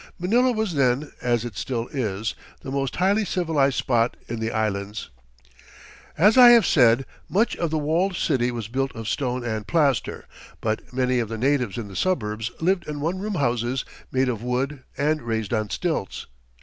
Manila was then, as it still is, the most highly civilized spot in the Islands. As I have said, much of the walled city was built of stone and plaster, but many of the natives in the suburbs lived in one room houses made of wood and raised on stilts.